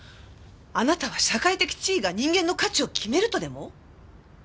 あなたは社会的地位が人間の価値を決めるとでも？